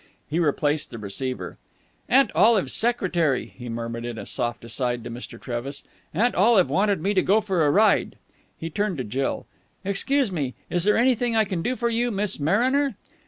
He replaced the receiver. "Aunt Olive's secretary," he murmured in a soft aside to Mr. Trevis. "Aunt Olive wanted me to go for a ride." He turned to Jill. "Excuse me. Is there anything I can do for you, Miss Mariner?"